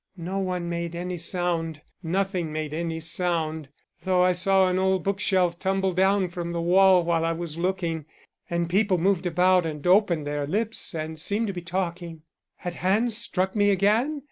No one made any sound nothing made any sound, though I saw an old book shelf tumble down from the wall while I was looking, and people moved about and opened their lips and seemed to be talking. Had Hans struck me again?